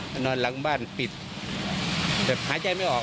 นอนหลังบ้านปิดแบบหายใจไม่ออก